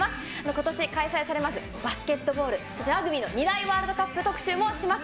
ことし開催されますバスケットボール、そしてラグビーの２大ワールドカップ特集もします。